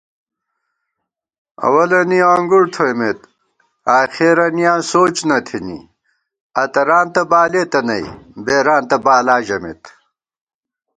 اوَلَنیَہ انگُڑ تھوون آخېرَنیاں سوچ نہ تھنی اتَرانتہ بالېتہ نئ بېرانتہ بالا ژمېت